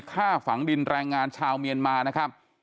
ฆ่าฝังดินแรงงานชาวเมียนมานะครับ